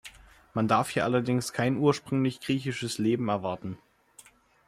Man darf hier allerdings kein ursprünglich griechisches Leben erwarten.